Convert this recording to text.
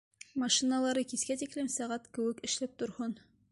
Машиналары кискә тиклем сәғәт кеүек эшләп торһон!